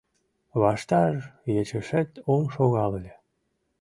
Ваштар ечешет ом шогал ыле.